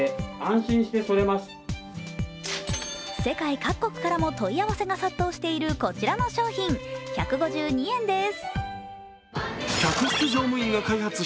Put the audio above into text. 世界各国からも問い合わせが殺到しているこちらの商品、１５２円です。